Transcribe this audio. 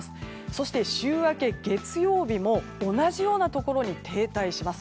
そして週明けの月曜日も同じようなところに停滞します。